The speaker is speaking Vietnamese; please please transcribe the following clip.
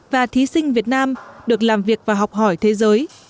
và thí sinh việt nam được làm việc và học hỏi thế giới